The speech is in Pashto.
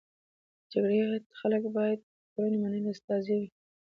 د جرګي خلک باید د ټولني منلي استازي وي.